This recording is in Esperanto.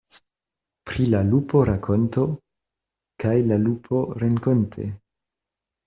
Pri la lupo rakonto, kaj la lupo renkonte.